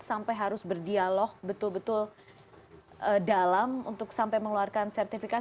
sampai harus berdialog betul betul dalam untuk sampai mengeluarkan sertifikat